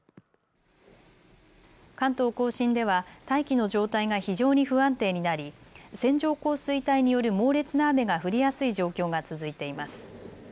関東甲信では大気の状態が非常に不安定になり線状降水帯による猛烈な雨が降りやすい状況が続いています。